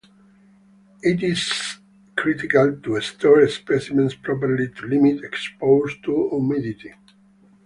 It is critical to store specimens properly to limit exposure to humidity.